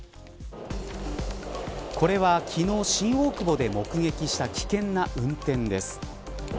これは昨日、新大久保で目撃した危険な運転です。